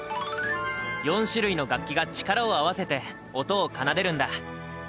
４種類の楽器が力を合わせて音を奏でるんだ。